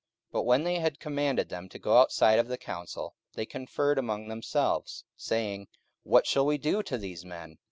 44:004:015 But when they had commanded them to go aside out of the council, they conferred among themselves, 44:004:016 Saying, What shall we do to these men?